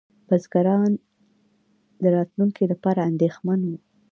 بزګران د راتلونکي لپاره اندېښمن وو.